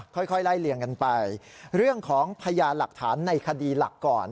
ค่อยไล่เลี่ยงกันไปเรื่องของพยานหลักฐานในคดีหลักก่อน